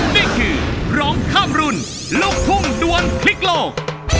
นี่คือร้องข้ามรุ่นลูกทุ่งดวนพลิกโลก